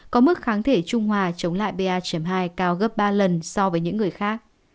có mức kháng thể trung hòa chống lại ba hai cao gấp ba lần so với những người khác